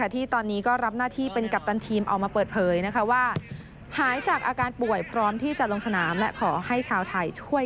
ที่ตอนนี้ก็รับหน้าที่เป็นกัปตันทีมออกมาเปิดเผยว่าหายจากอาการป่วยพร้อมที่จะลงสนามและขอให้ชาวไทยช่วย